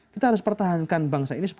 kita harus pertahankan bangsa ini